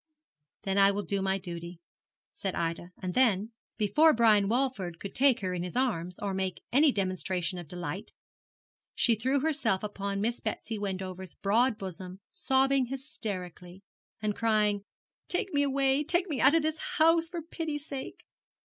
'Then I will do my duty,' said Ida; and then, before Brian Walford could take her in his arms, or make any demonstration of delight, she threw herself upon Miss Betsy Wendover's broad bosom, sobbing hysterically, and crying, 'Take me away, take me out of this house, for pity's sake!'